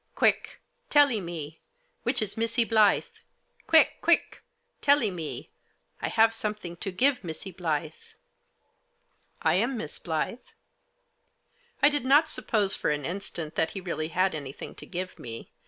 "Quick! Tellee me! Which is Missee Blyth? Quick, quick ! tellee me ! I have something to give to Missee Blyth." "I am Miss Blyth." I did not suppose, for an instant, that he really had anything to give me.